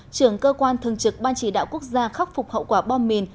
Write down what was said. trưởng cơ quan thường trực ban chỉ đạo quốc gia khắc phục hậu quả bom mìn